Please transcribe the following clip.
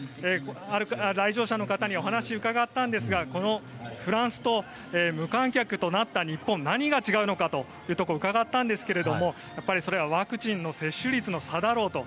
来場者の方にお話を伺ったんですがこのフランスと無観客となった日本何が違うのかを伺ったんですがそれはワクチンの接種率の差だろうと。